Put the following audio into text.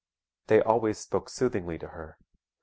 They always spoke soothingly to her.